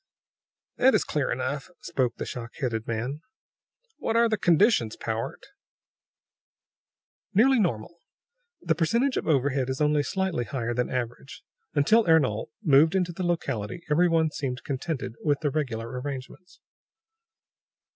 "That is clear enough," spoke the shock headed man. "What are the conditions, Powart?" "Nearly normal. The percentage of overhead is only slightly higher than average. Until Ernol moved into the locality every one seemed contented with the regular arrangements."